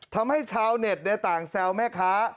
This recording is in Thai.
ทำให้ชาวเน็ตต่างแซวแม่ค้า